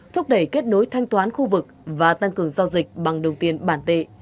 thúc đẩy kết nối thanh toán khu vực và tăng cường giao dịch bằng đồng tiền bản tệ